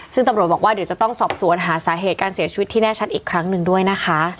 ซึ่งตำรวจบอกว่าเดี๋ยวจะต้องสอบสวนหาสาเหตุการเสียชีวิตที่แน่ชัดอีกครั้งหนึ่งด้วยนะคะ